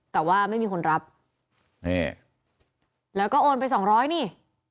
แต่ว่าไม่มีคนรับแล้วก็โอนไป๒๐๐นี่